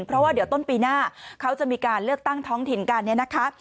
เพราะว่าเดี๋ยวต้นปีหน้าเขาจะมีการเลือกตั้งท้องถิ่นกันเนี่ยนะคะ